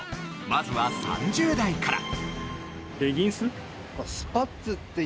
まずは３０代から。